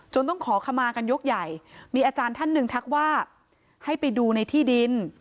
ต้องขอขมากันยกใหญ่มีอาจารย์ท่านหนึ่งทักว่าให้ไปดูในที่ดิน